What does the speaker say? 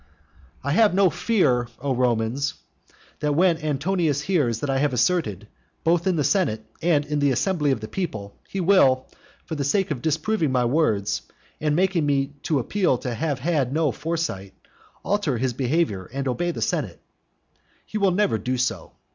IV I have no fear, O Romans, that when Antonius hears that I have asserted, both in the senate and in the assembly of the people, that he never will submit himself to the power of the senate, he will, for the sake of disproving my words, and making me to appeal to have had no foresight, alter his behaviour and obey the senate. He will never do so.